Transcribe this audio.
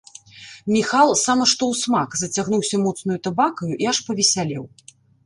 Міхал сама што ўсмак зацягнуўся моцнаю табакаю і аж павесялеў.